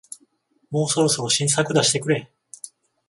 もうそろそろ新作出してくれ